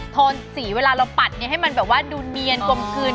โทนสีเวลาเราปัดให้มันแบบว่าดูเนียนกลมคืน